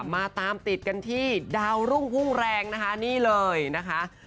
มาตามติดกันที่ดาวรุ่งพุ่งแรงนะคะนี่เลยนะคะ